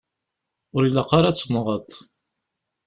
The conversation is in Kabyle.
Ur ilaq ara ad tenɣeḍ.